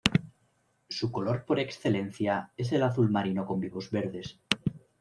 Su color por excelencia es el azul marino con vivos verdes.